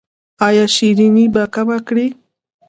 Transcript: ایا شیریني به کمه کړئ؟